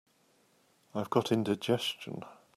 I've got indigestion.